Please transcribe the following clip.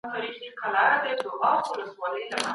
عوامو مجلس څنګه له مشرانو جرګې سره کار کوي؟